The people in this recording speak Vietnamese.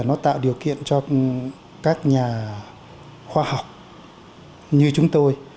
nó tạo điều kiện cho các nhà khoa học như chúng tôi